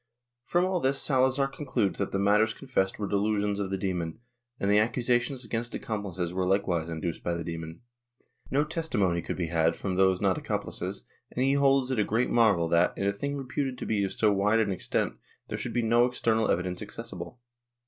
From all this Salazar concludes that the matters confessed were delusions of the demon, and the accusations against accomplices were likewise induced by the demon. No testimony could be had from those not accompUces and he holds it a great marvel that, in a thing reputed to be of so wide an extent, there should be no external evidence accessible.